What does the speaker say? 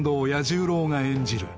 彌十郎が演じる